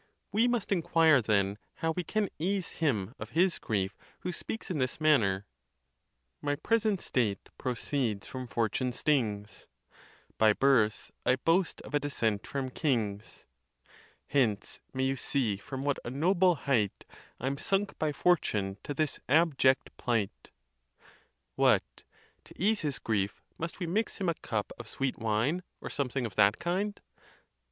We must inquire, then, how we can ease him of his grief who speaks in this manner: My present state proceeds from fortune's stings ; By birth I boast of a descent from kings ;° Hence may you see from what a noble height I'm sunk by fortune to this abject plight. What! to ease his grief, must we mix him a cup of sweet wine, or something of that kind?